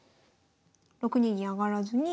６二銀上がらずに。